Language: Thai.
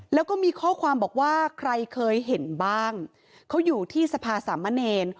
แล้วก็มีข้อความบอกว่าใครเคยเห็นบ้างเขาอยู่ที่สภาสามเณร